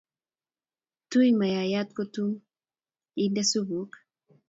Tui mayayat kotom inde supuk.